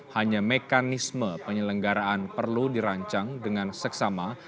hanya mekanisme penyelenggaraan perlu dirancang dengan seksama